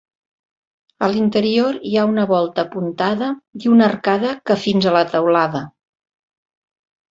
A l'interior hi ha una volta apuntada i una arcada que fins a la teulada.